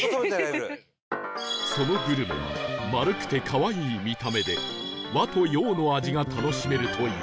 そのグルメは丸くて可愛い見た目で和と洋の味が楽しめるという